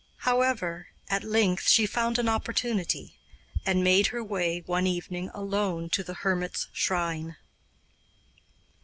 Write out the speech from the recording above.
However, at length she found an opportunity, and made her way one evening alone to the hermit's shrine.